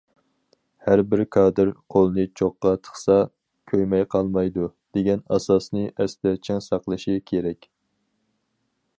ھەر بىر كادىر‹‹ قولنى چوغقا تىقسا، كۆيمەي قالمايدۇ›› دېگەن ئاساسنى ئەستە چىڭ ساقلىشى كېرەك.